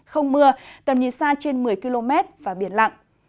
không mưa tầm nhìn xa trên một mươi km và biển lặng